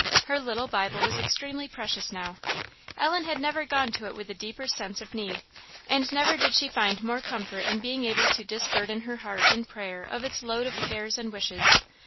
Her little Bible was extremely precious now; Ellen had never gone to it with a deeper sense of need; and never did she find more comfort in being able to disburden her heart in prayer of its load of cares and wishes.